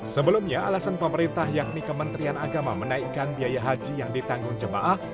sebelumnya alasan pemerintah yakni kementerian agama menaikkan biaya haji yang ditanggung jemaah